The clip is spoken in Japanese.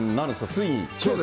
ついに。